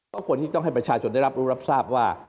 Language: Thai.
ก็ควรที่ต้องให้ประชาชนได้รับรู้รับทราบว่า